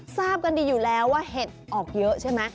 ทราบกันดีอยู่แล้วว่าเห็ดออกเยอะใช่ไหม